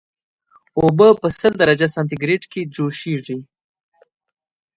اوبه په سل درجه سانتي ګریډ کې جوشیږي